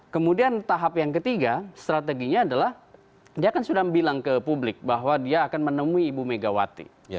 kemudian tahap yang ketiga strateginya adalah dia kan sudah bilang ke publik bahwa dia akan menemui ibu megawati